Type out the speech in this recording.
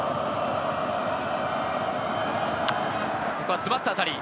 ここは詰まった当たり。